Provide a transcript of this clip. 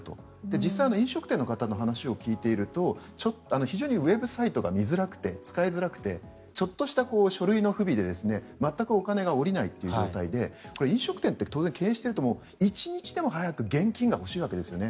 実際に飲食店の話を聞いていると非常にウェブサイトが見づらくて使いづらくてちょっとした書類の不備でまったくお金が下りない状況で飲食店って経営していると一日でも早く現金が欲しいわけですよね。